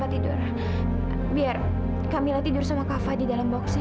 aku bukan si fadil presenting